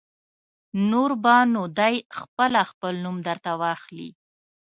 نور به نو دی خپله خپل نوم در ته واخلي.